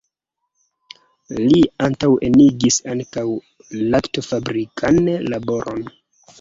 Li antaŭenigis ankaŭ laktofabrikan laboron.